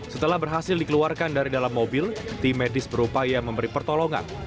setelah berhasil dikeluarkan dari dalam mobil tim medis berupaya memberi pertolongan